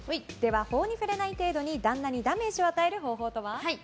法に触れない程度に旦那にダメージを与える方法とは？